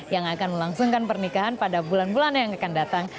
yang akan melangsungkan pernikahan pada bulan bulan yang akan datang